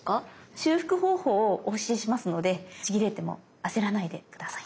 修復方法をお教えしますのでちぎれても焦らないで下さい。